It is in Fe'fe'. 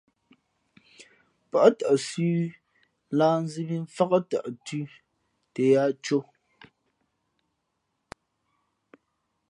Pά tαʼ zʉ̄ lǎh nzī mǐ mfák tαʼ thʉ̄ tα yāā cō.